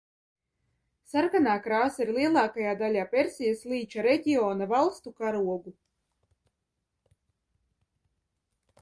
Sarkanā krāsa ir lielākajā daļā Persijas līča reģiona valstu karogu.